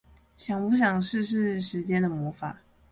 想不想試試時間的魔法